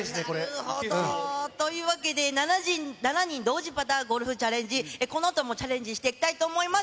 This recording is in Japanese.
なるほど。というわけで、７人同時パターゴルフチャレンジ、このあともチャレンジしていきたいと思います。